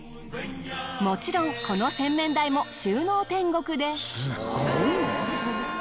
もちろんこの洗面台も収納天国で。